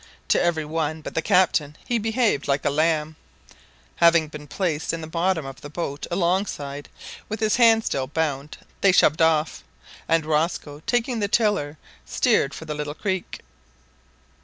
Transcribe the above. To every one but the captain he behaved liked a lamb. Having been placed in the bottom of the boat alongside, with his hands still bound, they shoved off, and Rosco, taking the tiller, steered for the little creek.